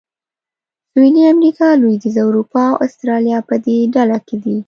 سویلي امریکا، لوېدیځه اروپا او اسټرالیا په دې ډله کې دي.